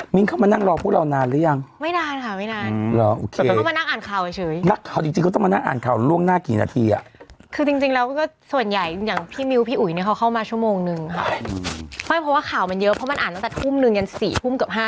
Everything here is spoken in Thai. อไม่เพราะว่าข่าวมันเยอะเพราะมันอ่านตั้งแต่ทุ่มหนึ่งยันสี่ทุ่มเกือบห้าทุ่มนะครับ